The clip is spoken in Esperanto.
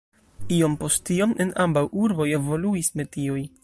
Iom post iom en ambaŭ urboj evoluis metioj.